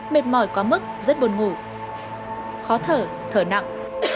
mệt mỏi có mức rất buồn ngủ khó thở thở nặng